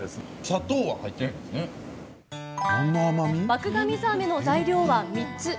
麦芽水あめの材料は３つ。